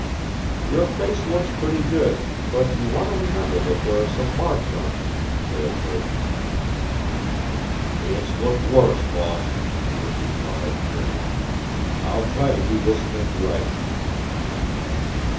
"Your face looks pretty good, but you want to remember that there are some marks on it," Prale told him. "It's looked worse, boss," Murk replied, grinning. "I'll try to do this thing right."